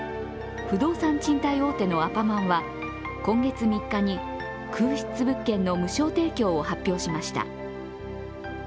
不動産賃貸大手のアパマンは今月３日に空室物件の無償提供を発表しました。